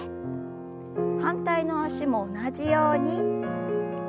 反対の脚も同じように。